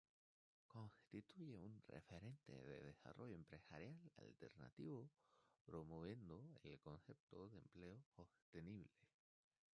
Constituye un referente de desarrollo empresarial alternativo promoviendo el concepto de empleo sostenible.